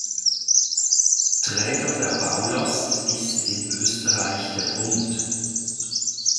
Träger der Baulast ist in Österreich der Bund.